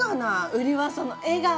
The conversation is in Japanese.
売りはその笑顔で。